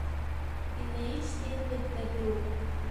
Инаишьҭеиҳәеит даду.